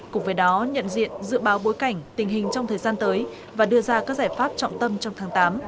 cùng với đó nhận diện dự báo bối cảnh tình hình trong thời gian tới và đưa ra các giải pháp trọng tâm trong tháng tám